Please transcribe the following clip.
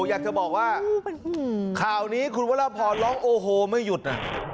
อยากจะบอกว่าข่าวนี้คุณวรพรร้องโอ้โหไม่หยุด